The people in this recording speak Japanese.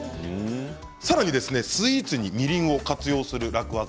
さらに、スイーツにみりんを活用する楽ワザ